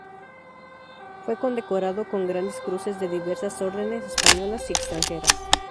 Fue condecorado con grandes cruces de diversas órdenes, españolas y extranjeras.